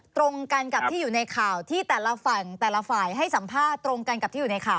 ตรงกันกับที่อยู่ในข่าวที่แต่ละฝั่งแต่ละฝ่าย